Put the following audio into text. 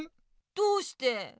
どうして？